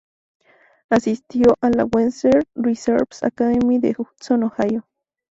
Asistió a la Western Reserve Academy en Hudson, Ohio.